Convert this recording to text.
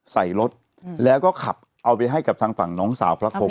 ใส่รถแล้วก็ขับเอาไปให้กับทางฝั่งน้องสาวพระคม